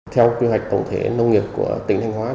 theo quy hoạch tổng thể nông nghiệp của tỉnh thanh hóa